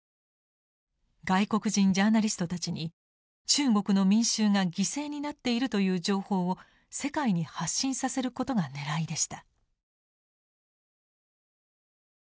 外国人ジャーナリストたちに中国の民衆が犠牲になっているという情報を世界に発信させることが狙いでした。